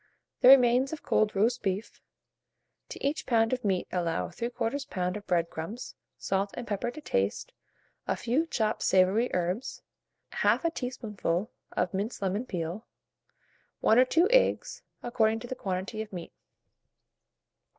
The remains of cold roast beef; to each pound of meat allow 3/4 lb. of bread crumbs, salt and pepper to taste, a few chopped savoury herbs, 1/2 a teaspoonful of minced lemon peel, 1 or 2 eggs, according to the quantity of meat.